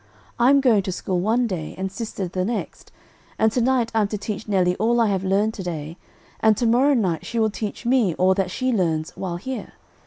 I'm going to school one day, and sister the next, and to night I'm to teach Nelly all I have learned to day, and to morrow night she will teach me all that she learns while here.